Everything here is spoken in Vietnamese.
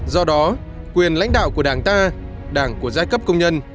do đó quyền lãnh đạo của đảng ta đảng của giai cấp công nhân